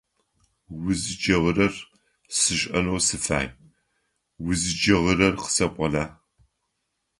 УзыкӀэгъырэр сшӀэнэу сыфай УзыкӀэгъырэр къысэпӀона?